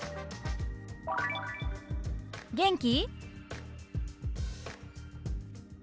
「元気？」。